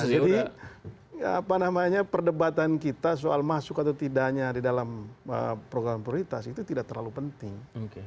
apa namanya perdebatan kita soal masuk atau tidaknya di dalam program prioritas itu tidak terlalu penting